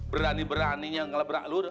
berani beraninya ngelebrak lu